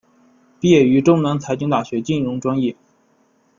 毕业于中南财经大学金融专业。